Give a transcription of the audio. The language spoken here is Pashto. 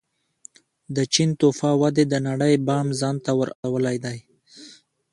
د چین توفا ودې د نړۍ پام ځان ته ور اړولی دی.